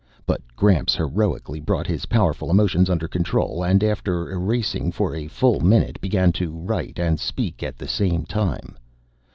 But Gramps heroically brought his powerful emotions under control and, after erasing for a full minute, began to write and speak at the same time.